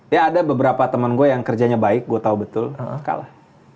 ya ada beberapa temen gue yang kerjanya baik gue tahu betul kalah